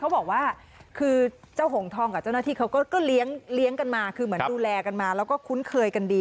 บอกว่าคือเจ้าหงทองกับเจ้าหน้าที่เขาก็เลี้ยงกันมาคือเหมือนดูแลกันมาแล้วก็คุ้นเคยกันดี